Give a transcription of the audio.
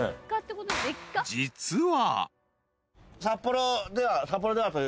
［実は］